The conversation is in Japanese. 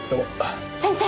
先生！